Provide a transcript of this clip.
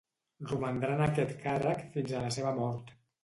Romandrà en aquest càrrec fins a la seva mort.